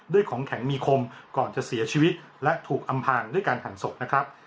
ของแข็งมีคมก่อนจะเสียชีวิตและถูกอำพางด้วยการหั่นศพนะครับ